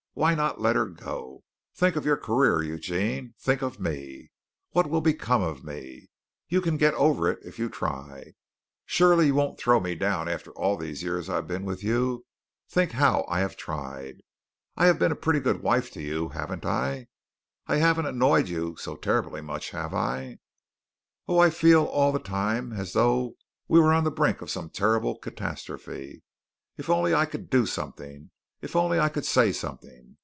Why not let her go? Think of your career, Eugene. Think of me. What will become of me? You can get over it, if you try. Surely you won't throw me down after all the years I have been with you. Think how I have tried. I have been a pretty good wife to you, haven't I? I haven't annoyed you so terribly much, have I? Oh, I feel all the time as though we were on the brink of some terrible catastrophe! If only I could do something; if only I could say something!